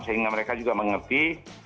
sehingga mereka juga mengerti